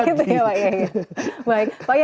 oh gitu ya pak ye